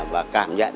và cảm nhận